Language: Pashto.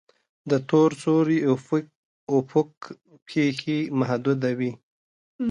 د تور سوري افق پیښې محدوده وي.